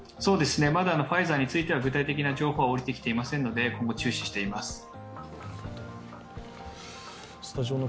ファイザーについては具体的な情報は下りてきていませんので今後、注視しています。